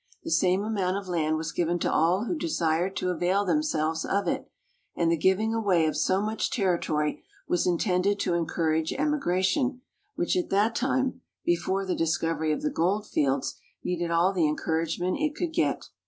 The same amount of land was given to all who desired to avail themselves of it, and the giving away of so much territory was intended to encourage emigration, which at that time (before the discovery of the gold fields) needed all the encouragement it could get.